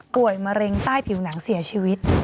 มะเร็งใต้ผิวหนังเสียชีวิต